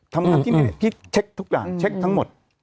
ทำงานที่นี่พี่เช็คทุกอย่างเช็คทั้งหมด